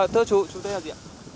thưa chú chú tên là gì ạ